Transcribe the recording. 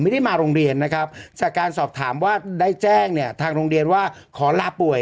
ไม่ได้มาโรงเรียนนะครับจากการสอบถามว่าได้แจ้งเนี้ย